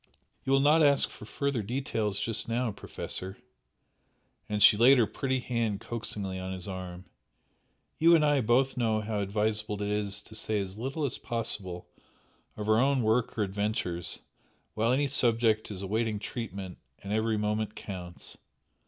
You will not ask for further details just now, Professor!" and she laid her pretty hand coaxingly on his arm "You and I both know how advisable it is to say as little as possible of our own work or adventures, while any subject is awaiting treatment and every moment counts!